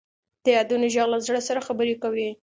د یادونو ږغ له زړه سره خبرې کوي.